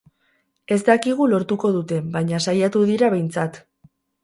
Ez dakigu lortuko duten, baina saiatu dira behintzat.